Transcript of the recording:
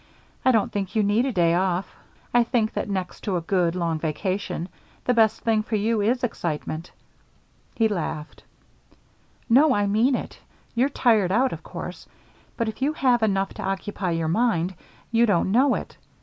I don't think you need a day off. I think that, next to a good, long vacation, the best thing for you is excitement." He laughed. "No, I mean it. You're tired out, of course, but if you have enough to occupy your mind, you don't know it.